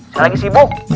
saya lagi sibuk